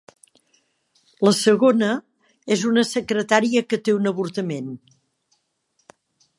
La segona és una secretària que té un avortament.